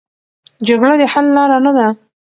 جګړه د حل لاره نه ده.